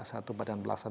satu badan belasan